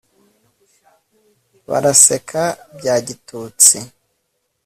baraseka bya gitutsi